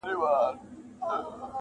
تاریخ د انسان تېر ژوند بیانوي